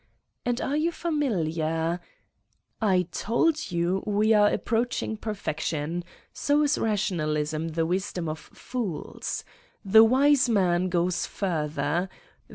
" "And are you familar ...?" "I told you we are approaching perfec tion! ... So is rationalism the wisdom of fools. The wise man goes further.